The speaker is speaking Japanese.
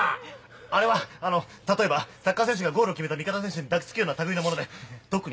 あれはあの例えばサッカー選手がゴールを決めた味方の選手に抱きつくようなたぐいのもので特に深い意味は。